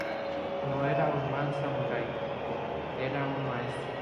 No era un mal samurái, era un maestro.